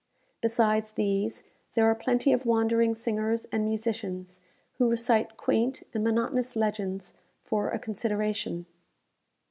Besides these, there are plenty of wandering singers and musicians, who recite quaint and monotonous legends "for a consideration."